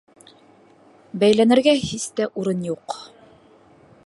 Бәйләнергә һис тә урын юҡ.